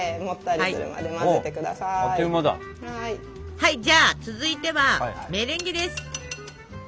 はいじゃあ続いてはメレンゲです。